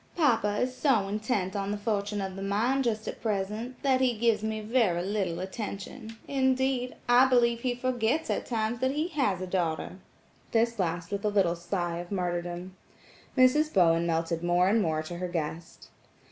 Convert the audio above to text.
"Papa is so intent on the fortunes of the mine, just at present, that he gives me very little attention. Indeed, I believe he forgets at times that he has a daughter," this last with a little sigh of martyrdom. Mrs. Bowen melted more and more to her guest.